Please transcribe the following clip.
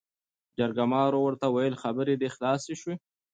جرګمارو ورته وويل خبرې دې خلاصې شوې ؟